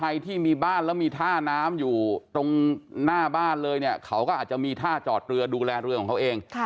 หน้าน้ำอยู่ตรงหน้าบ้านเลยเนี่ยเขาก็อาจจะมีท่าจอดเรือดูแลเรือของเขาเอง